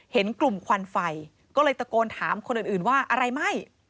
เห็นกลุ่มควันไฟก็เลยตะโกนถามคนเห็นอื้อฟ่าวะเราย่ะ